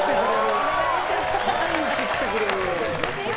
毎日、来てくれる。